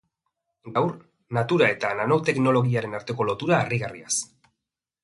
Gaur, natura eta nanoteknologiaren arteko lotura harrigarriaz.